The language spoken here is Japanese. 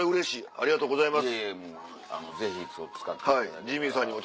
ありがとうございます。